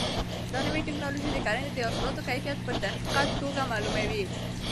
دا نوې ټیکنالوژي د کرنې د حاصلاتو کیفیت په دقیقه توګه معلوموي.